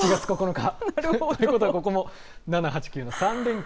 なるほど。ということはここも７、８、９の３連休。